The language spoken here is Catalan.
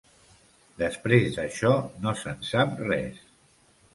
Després d'això no se'n sap res.